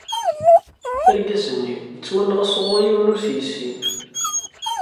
Argaz-nni, ittwanɣa sɣur yiwen ur t-yessin.